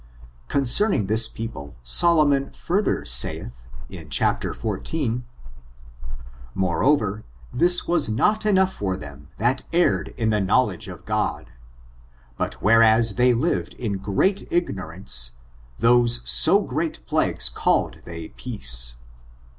Concerning this people, Solomon further saith, in chapter 14: "More over, this was not enough for them that erred in the knowledge of God ; but whereas they lived in great ignorance, those so great plagues called they peace.